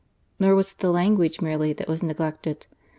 Nor was it the language merely that was neglected.